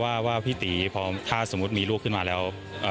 ว่าพี่ตีถ้าอยากจะมีลูกขึ้นมาแล้ว